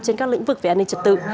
trên các lĩnh vực về an ninh trật tự